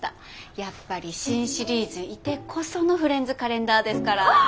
やっぱり新シリーズいてこそのフレンズカレンダーですから。